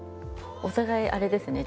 お互いあれですね。